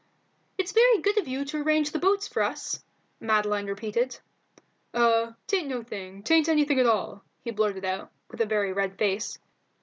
"It's very good of you to arrange the boats for us, Madeline repeated. "Oh, 'tain't anything, 'tain't anything at all," he blurted out, with a very red face.